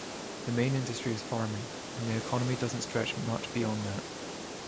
The main industry is farming and the economy doesn't stretch much beyond that.